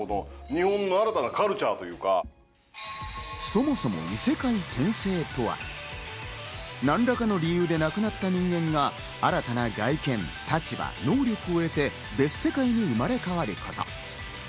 そもそも異世界転生とは、何らかの理由で亡くなった人間が新たな外見、立場、能力を得て別世界に生まれ変わること。